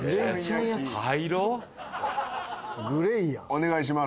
「お願いします」